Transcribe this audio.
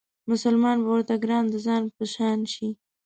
مسلمان به ورته ګران د ځان په شان شي